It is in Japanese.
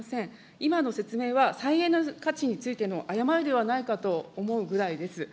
今の説明は再エネの価値についての誤りではないかと思うぐらいです。